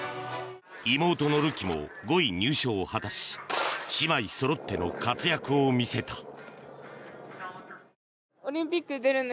妹のるきも５位入賞を果たし姉妹そろっての活躍を見せた。